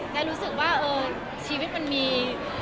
ได้รู้สึกว่าชีวิตมันมี